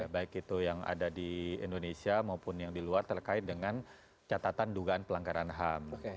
baik itu yang ada di indonesia maupun yang di luar terkait dengan catatan dugaan pelanggaran ham